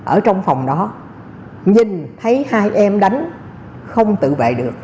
ở trong phòng đó nhìn thấy hai em đánh không tự vệ được